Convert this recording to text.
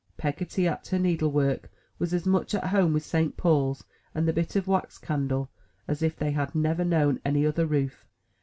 Peggotty at her needle work was as much at home with Saint Paul's and the bit of wax candle as if they had never known any other roof.